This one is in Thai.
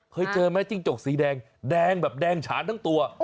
เคยเจอไหมจิ้งจกสีแดงแดงแบบแดงฉานทั้งตัว